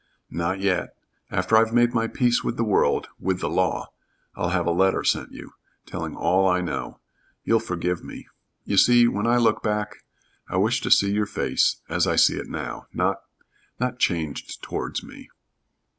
"Not yet. After I've made my peace with the world with the law I'll have a letter sent you telling all I know. You'll forgive me. You see, when I look back I wish to see your face as I see it now not not changed towards me."